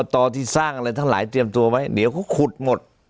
ต่อที่สร้างอะไรทั้งหลายเตรียมตัวไว้เดี๋ยวเขาขุดหมด